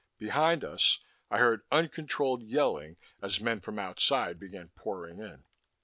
Behind us, I heard uncontrolled yelling as men from outside began pouring in.